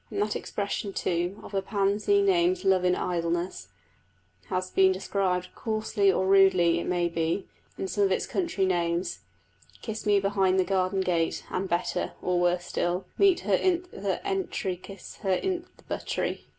And that expression, too, of the pansy named Love in Idleness, has been described, coarsely or rudely it may be, in some of its country names: "Kiss me behind the garden gate," and, better (or worse) still, "Meet her i' th' entry kiss her i' th' buttery."